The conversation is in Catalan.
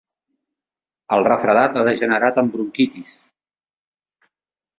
El refredat ha degenerat en bronquitis.